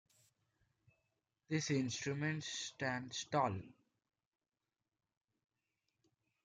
This instrument stands tall.